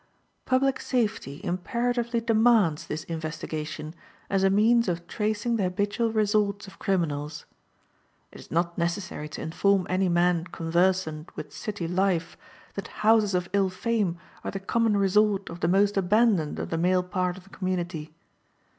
Public safety imperatively demands this investigation as a means of tracing the habitual resorts of criminals. It is not necessary to inform any man conversant with city life that houses of ill fame are the common resort of the most abandoned of the male part of the community.